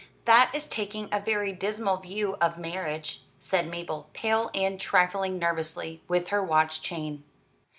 "That is taking a very dismal view of marriage," said Mabel, pale, and trifling nervously with her watch chain.